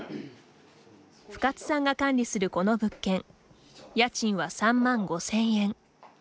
深津さんが管理するこの物件家賃は３万５０００円。